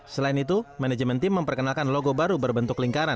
selain itu manajemen tim memperkenalkan logo baru berbentuknya